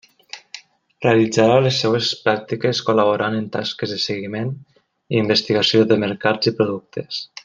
Realitzarà les seues pràctiques col·laborant en tasques de seguiment i investigació de mercats i productes.